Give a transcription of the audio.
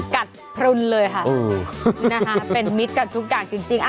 พลุนเลยค่ะเป็นมิตรกับทุกอย่างจริง